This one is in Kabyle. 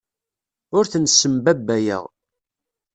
Ur ten-ssembabbayeɣ.